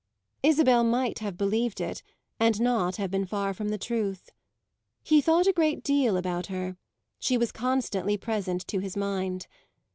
Isabel might have believed it and not have been far from the truth. He thought a great deal about her; she was constantly present to his mind.